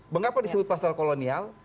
mengapa disebut pasal kolonial